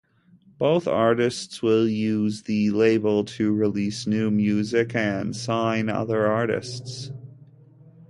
Both artists will use the label to release new music and sign other artists.